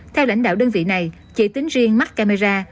theo lãnh đạo đơn vị này chỉ tính riêng mắt camera